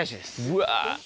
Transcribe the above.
うわ。